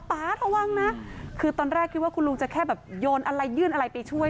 ป๊าระวังนะคือตอนแรกคิดว่าคุณลุงจะแค่แบบโยนอะไรยื่นอะไรไปช่วย